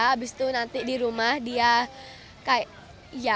habis itu nanti di rumah dia kayak ya